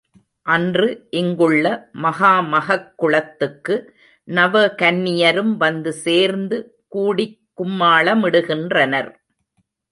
அன்று இங்குள்ள மகாமகக் குளத்துக்கு நவ கன்னியரும் வந்து சேர்ந்து கூடிக் கும்மாள மிடுகின்றனர்.